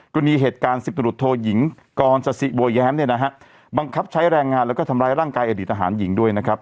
กรณีเหตุการณ์๑๐ตำรวจโทรหญิงกรณ์ศาสิบัวย้ำบังคับใช้แรงงานและทำลายร่างกายอดีตอาหารหญิง